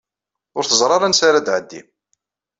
Ur teẓṛi ara ansa ara tɛeddi.